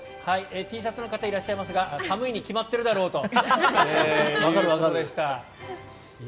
Ｔシャツの方いらっしゃいますが寒いに決まってるだろというお話でした。